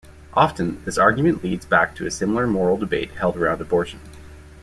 Often, this argument leads back to a similar moral debate held around abortion.